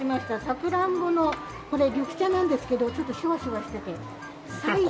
さくらんぼのこれ緑茶なんですけどちょっとシュワシュワしててサイダー。